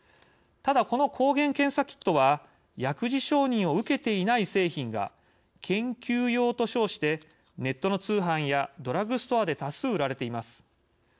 ただこの抗原検査キットは薬事承認を受けていない製品が研究用と称してネットの通販やドラッグストアで多数売られています。